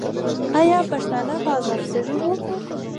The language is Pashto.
آیا پښتانه په عذاب سوي وو؟